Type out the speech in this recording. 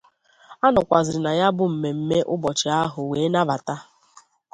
A nọkwazịrị na ya bụ mmemme ụbọchị ahụ wee nabata